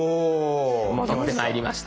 戻ってまいりました。